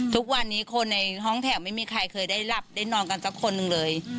ทุกวันนี้คนในห้องแถวไม่มีใครเคยได้หลับได้นอนกันสักคนหนึ่งเลย